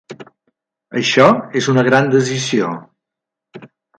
Això és una gran decisió.